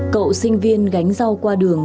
cậu sinh viên gánh rau qua đường